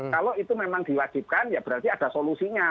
kalau itu memang diwajibkan ya berarti ada solusinya